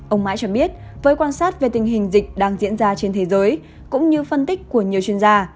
ông mãi cho biết với quan sát về tình hình dịch đang diễn ra trên thế giới cũng như phân tích của nhiều chuyên gia